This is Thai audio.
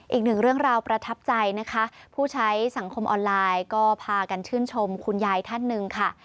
อีกหนึ่งเรื่องราวประทับใจนะคะผู้ใช้สังคมออนไลน์ก็พากันชื่นชมคุณยายท่านหนึ่งค่ะ